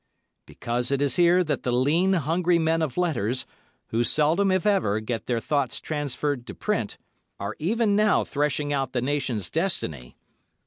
Because it is here that the lean, hungry men of letters, who seldom, if ever, get their thoughts transferred to print, are even now threshing out the nation's destiny.